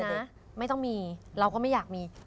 นะไม่ต้องมีเราก็ไม่อยากมี